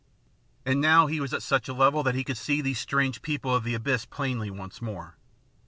And now he was at such a level that he could see these strange people of the abyss plainly once more.